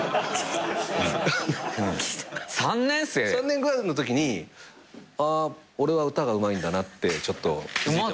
３年ぐらいのときにああ俺は歌がうまいんだなってちょっと気付いてましたね。